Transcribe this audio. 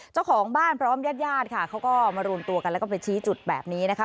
เจ้าของบ้านพร้อมญาติญาติค่ะเขาก็มารวมตัวกันแล้วก็ไปชี้จุดแบบนี้นะคะ